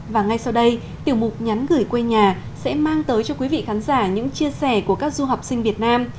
và ngay sau đây tiểu mục nhắn gửi quê nhà sẽ mang tới cho quý vị khán giả những chia sẻ của các du học sinh việt nam